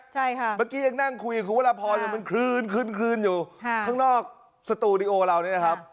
เมื่อกี้ยังนั่งคุยคือเวลาพอมันคลืนอยู่ข้างนอกสตูดิโอเรานี้นะครับ